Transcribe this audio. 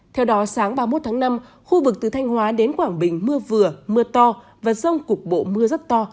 theo đó sáng ba mươi một tháng năm khu vực từ thanh hóa đến quảng bình mưa vừa mưa to và rông cục bộ mưa rất to